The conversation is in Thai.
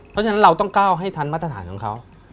เพราะฉะนั้นเราต้องก้าวให้ทันมาตรฐานของเขา